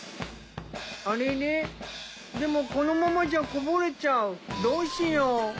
あれれでもこのままじゃこぼれちゃうどうしよう？